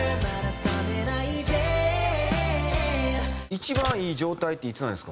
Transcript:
一番いい状態っていつなんですか？